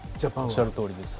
おっしゃるとおりです。